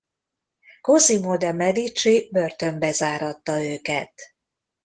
Cosimo de’ Medici börtönbe záratta őket.